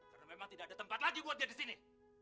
karena memang tidak ada tempat lagi buat dia di sini